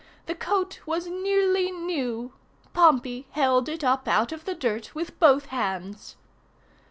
The coat was nearly new. Pompey held it up out of the dirt with both hands.